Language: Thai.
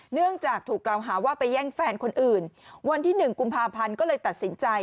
เนื่องจากถูกกล่าวหาว่าไปแย่งแฟนคนอื่นวันที่๑กุมภาพันธ์ก็เลยตัดสินใจ